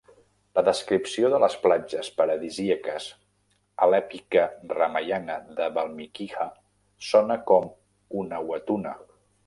La descripció de les platges paradisíaques a l'èpica Ramayana de Valmikiha sona com Unawatuna.